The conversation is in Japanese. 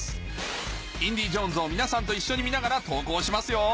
『インディ・ジョーンズ』を皆さんと一緒に見ながら投稿しますよ